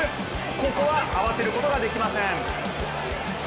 ここは合わせることができません。